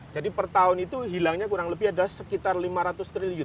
jadi per tahun itu hilangnya kurang lebih ada sekitar lima ratus triliun